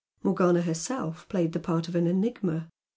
Morgana herself played the part of an enigma.